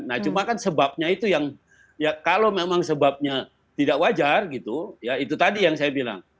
nah cuma kan sebabnya itu yang ya kalau memang sebabnya tidak wajar gitu ya itu tadi yang saya bilang